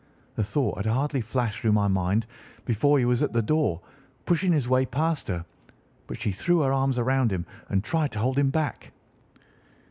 The thought had hardly flashed through my mind before he was at the door, pushing his way past her; but she threw her arms round him and tried to hold him back.